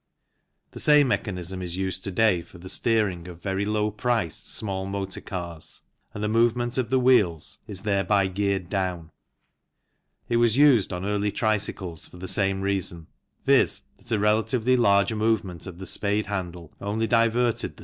The same mechanism is used to day for the steering of very low priced small motor cars, and the movement of the wheels is thereby 17 18 THE CYCLE INDUSTRY geared down. It was used on early tricycles for the same reason, viz., that a relatively large movement of the spade handle only diverted the.